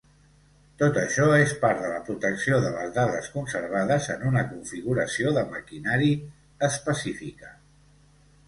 Tot això és part de la protecció de les dades conservades en una configuració de maquinari específica.